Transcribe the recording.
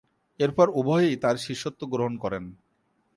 এরপর উভয়েই তার শিষ্যত্ব গ্রহণ করেন।